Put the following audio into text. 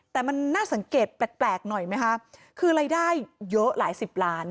แต่มันน่าสังเกตแปลกหน่อยไหมคะคือรายได้เยอะหลายสิบล้าน